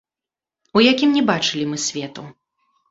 У якім не бачылі мы свету.